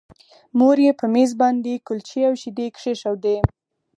مور یې په مېز باندې کلچې او شیدې کېښودې